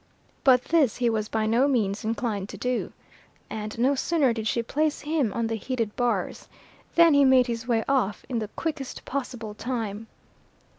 But this he was by no means inclined to do; and no sooner did she place him on the heated bars, than he made his way off in the quickest possible time.